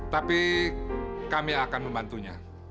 tapi kami akan membantunya